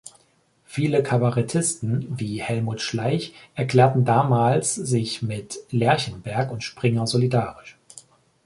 Viele Kabarettisten, wie Helmut Schleich, erklärten damals sich mit Lerchenberg und Springer solidarisch.